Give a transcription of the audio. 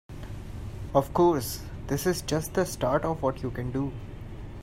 Of course, this is just the start of what you can do.